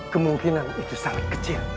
kemungkinan itu sangat kecil